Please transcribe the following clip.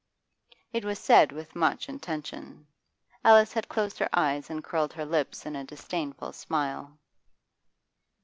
It was said with much intention; Alice hall closed her eyes and curled her lips in a disdainful smile.